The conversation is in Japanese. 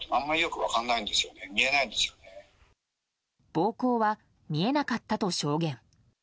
暴行は見えなかったと証言。